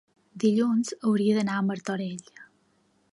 dilluns hauria d'anar a Martorell.